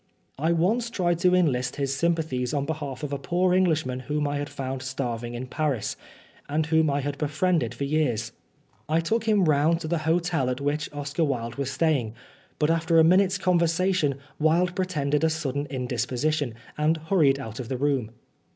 I once tried to enlist his sympathies on behalf of a poor old Englishman whom I had found starving in Paris, and whom I had befriended for years. I took him round to the hotel at which Oscar Wilde 57 Oscar Wilde was staying, but after a minute's conversa tion Wilde pretended a sudden indisposition, and hurried out of the room.